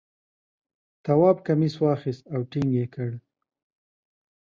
تواب کمیس واخیست او ټینګ یې کړ.